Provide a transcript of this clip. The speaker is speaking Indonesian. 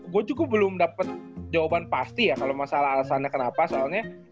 gue juga belum dapet jawaban pasti ya kalo masalah alasannya kenapa soalnya